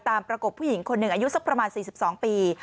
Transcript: ประกบผู้หญิงคนหนึ่งอายุสักประมาณ๔๒ปี